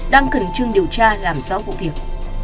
đang cẩn trương điều tra làm rõ vụ việc